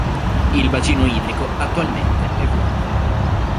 Il Bacino idrico attualmente è vuoto.